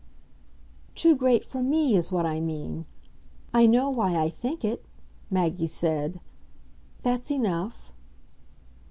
"Too great for me is what I mean. I know why I think it," Maggie said. "That's enough."